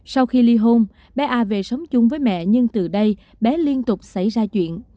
sau khi ly hôn bé a về sống chung với mẹ nhưng từ đây bé liên tục xảy ra chuyện